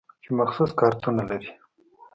چې مخصوص کارتونه لري.